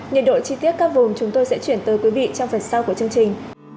nhiệt độ chi tiết các vùng chúng tôi sẽ chuyển tới quý vị trong phần sau của chương trình